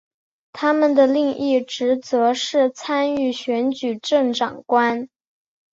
他们的另一职责是参与选举行政长官。